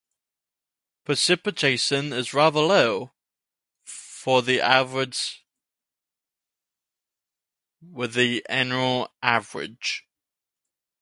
Precipitation is rather low, with a annual average.